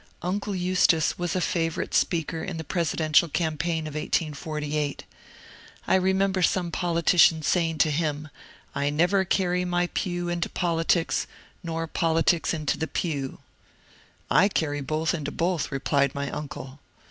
Uncle Eustace was a favourite speaker in the presidential campaign of 1848. I remember some poli tician saying to him, " I never carry my pew into politics, nor politics into the pew." " I carry both into both," replied my uncle.